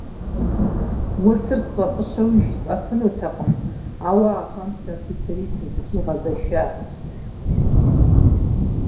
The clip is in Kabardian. Уэсыр сфӀэфӀыщэуи жысӀэфынутэкъым, ауэ, а гъэм сэр дыдэри сызыхуигъэзэшат!